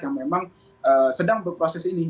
yang memang sedang berproses ini